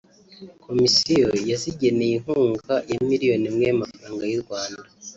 Komisiyo yazigeneye inkunga ya miliyoni imwe y’amafaranga y’u Rwanda